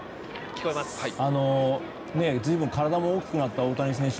随分、体も大きくなった大谷選手。